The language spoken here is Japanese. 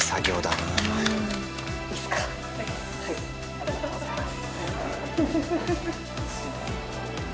ありがとうございます。